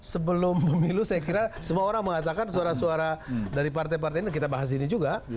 sebelum pemilu saya kira semua orang mengatakan suara suara dari partai partai ini kita bahas ini juga